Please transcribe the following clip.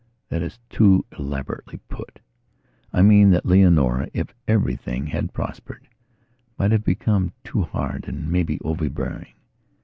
That is too elaborately put. I mean that Leonora, if everything had prospered, might have become too hard and, maybe, overbearing.